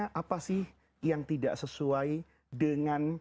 kita harus memiliki kekuasaan yang tidak sesuai dengan